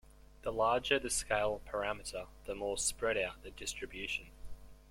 The larger the scale parameter, the more spread out the distribution.